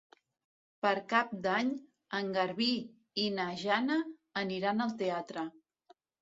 Per Cap d'Any en Garbí i na Jana aniran al teatre.